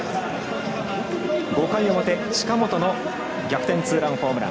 ５回表、近本の逆転ツーランホームラン。